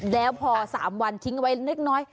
แล้วพอสามวันทิ้งไว้นิดน้อย